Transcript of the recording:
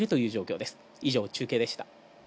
以上中継でした。